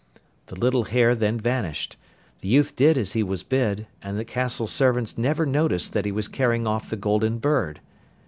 The little hare then vanished; the youth did as he was bid, and the castle servants never noticed that he was carrying off the Golden Bird.